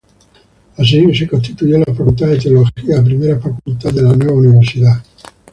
Así, se constituyó la Facultad de Teología, la primera Facultad de la nueva Universidad.